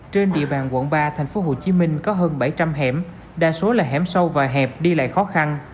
trên địa bàn quận ba tp hcm có hơn bảy trăm linh hẻm đa số là hẻm sâu và hẹp đi lại khó khăn